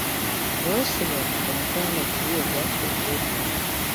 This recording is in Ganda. Mwasubwa omukwano guli ogwaffe ogw'edda.